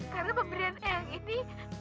karena pemberian eyang ini